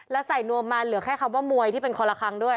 แล้วใส่นวมมาเหลือแค่คำว่ามวยที่เป็นคนละครั้งด้วย